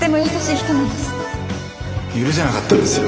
許せなかったんですよ。